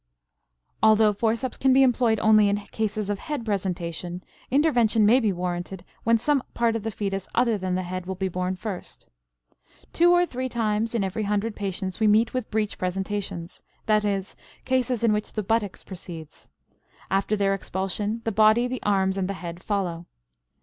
Although forceps can be employed only in cases of head presentation, intervention may be warranted when some part of the fetus other than the head will be born first. Two or three times in every hundred patients we meet with breech presentations, that is, cases in which the buttocks precede; after their expulsion, the body, the arms, and the head follow.